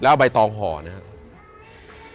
แล้วไปตองห่อนะครับ